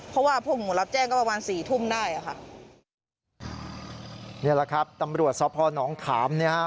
เพราะว่าพวกหนูรับแจ้งก็ประมาณสี่ทุ่มได้อ่ะค่ะนี่แหละครับตำรวจสพนขามเนี่ยฮะ